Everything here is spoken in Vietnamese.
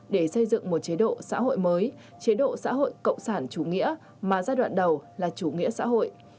để xây dựng một chế độ xã hội mới chế độ xã hội cộng sản chủ nghĩa mà giai đoạn đầu là chủ nghĩa xã hội